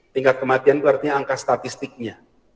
tingkat kematian itu artinya angka statistiknya